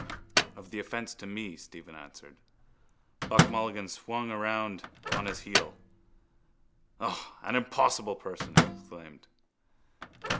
—Of the offence to me, Stephen answered. Buck Mulligan swung round on his heel. —O, an impossible person! he exclaimed.